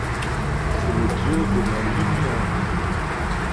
C'est le dieu de la lumière.